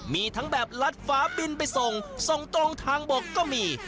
มีทั้งแบบลัดฟ้าบินไปส่งส่งตรงทางบกก็มี